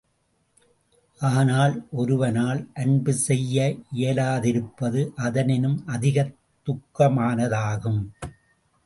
ஆனால், ஒருவனால் அன்பு செய்ய இயலாதிருப்பது அதனினும் அதிகத் துக்கமானதாகும்.